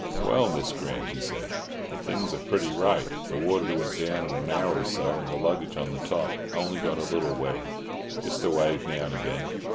"Well, Miss Grant," he said, "the things are pretty right. The water went down in an hour or so, and the luggage on the top only got a little wetting—just a wave now and again.